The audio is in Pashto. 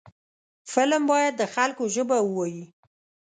فلم باید د خلکو ژبه ووايي